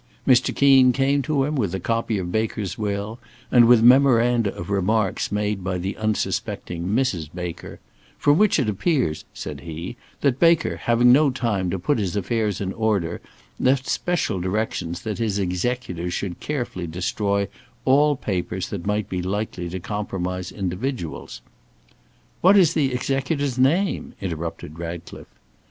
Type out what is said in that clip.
Mr. Keen came to him with a copy of Baker's will and with memoranda of remarks made by the unsuspecting Mrs. Baker; "from which it appears," said he, "that Baker, having no time to put his affairs in order, left special directions that his executors should carefully destroy all papers that might be likely to compromise individuals." "What is the executor's name?" interrupted Ratcliffe.